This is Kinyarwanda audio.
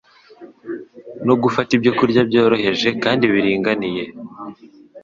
no gufata ibyokurya byoroheje kandi biringaniye,